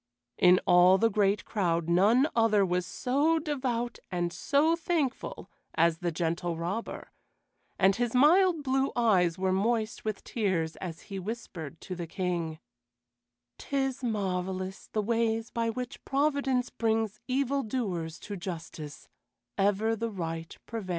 In all the great crowd, none other was so devout and so thankful as the Gentle Robber, and his mild blue eyes were moist with tears as he whispered to the King: "'Tis marvelous, the ways by which Providence brings evil doers to justice; ever the right prevails."